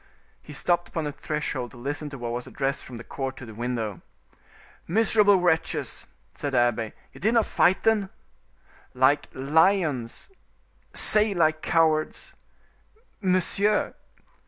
He stopped upon the threshold to listen to what was addressed from the court to the window. "Miserable wretches!" said the abbe, "you did not fight, then?" "Like lions." "Say like cowards." "Monsieur!"